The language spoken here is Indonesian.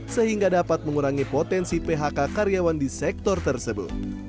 sehingga dapat mengurangi potensi phk karyawan di sektor tersebut